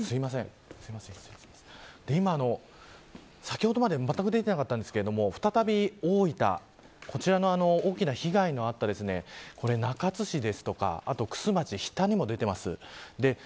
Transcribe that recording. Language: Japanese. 先ほどまで、まったく出ていなかったんですけど再び、大分大きな被害のあった中津市ですとか玖珠町、日田にも出ています。